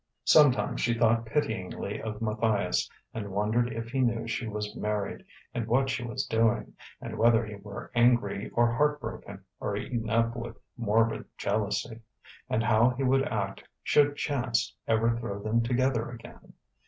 Sometimes she thought pityingly of Matthias, and wondered if he knew she was married and what she was doing; and whether he were angry, or heart broken, or eaten up with morbid jealousy; and how he would act should chance ever throw them together again.